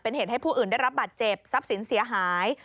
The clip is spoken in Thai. เป็นเหตุให้ผู้อื่นได้รับบาดเจ็บทรัพย์สินเสียหาย